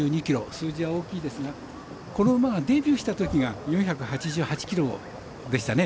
数字は大きいですがこの馬がデビューしたときが４８８ｋｇでしたね。